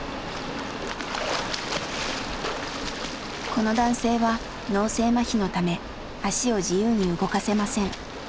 この男性は脳性まひのため足を自由に動かせません。